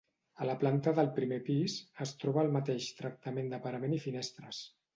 A la planta del primer pis, es troba el mateix tractament de parament i finestres.